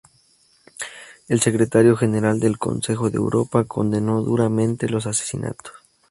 El secretario general del Consejo de Europa condenó duramente los asesinatos.